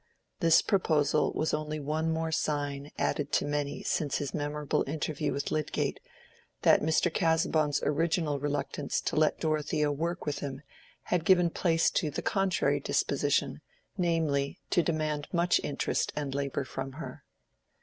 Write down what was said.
This proposal was only one more sign added to many since his memorable interview with Lydgate, that Mr. Casaubon's original reluctance to let Dorothea work with him had given place to the contrary disposition, namely, to demand much interest and labor from her.